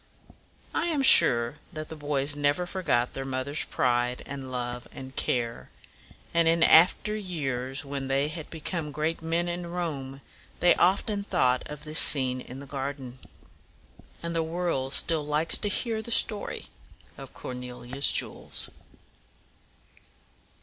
I am sure that the boys never forgot their mother's pride and love and care; and in after years, when they had become great men in Rome, they often thought of this scene in the garden. And the world still likes to hear the story of Cornelia's jewels.